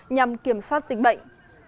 nhằm kiểm soát dịch bệnh